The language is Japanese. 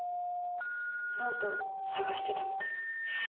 ノートを探してたみたい。